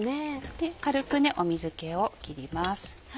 で軽く水気を切ります。